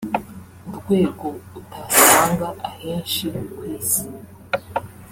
urwego utasanga ahenshi ku isi